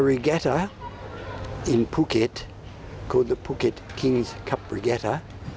พวกเราจะทำสักบันดาลัยคือพวกพระเจ้าของพระเจ้า